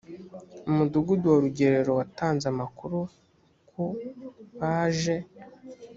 umudugudu wa rugerero watanze amakuru ko baje